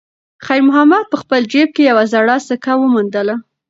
خیر محمد په خپل جېب کې یوه زړه سکه وموندله.